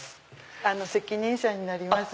責任者になります。